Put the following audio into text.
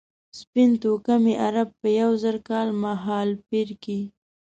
سپین توکمي عرب په یو زر کال مهالپېر کې.